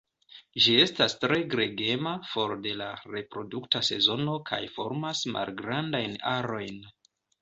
Ĝi estas tre gregema for de la reprodukta sezono kaj formas malgrandajn arojn.